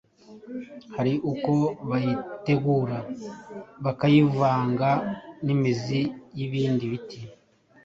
hari uko bayitegura bakayivanga n’imizi y’ibindi biti,